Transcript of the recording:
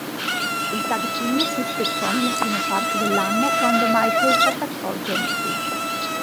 Il tag team si spezzò nella prima parte dell'anno quando Michaels attaccò Jannetty.